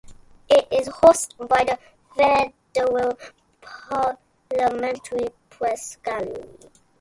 It is hosted by the Federal Parliamentary Press Gallery.